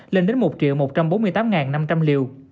lên đến một một trăm bốn mươi tám năm trăm linh liều